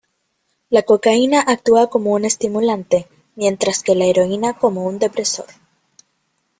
La cocaína actúa como un estimulante, mientras que la heroína como un depresor.